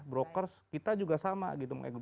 brokers kita juga sama gitu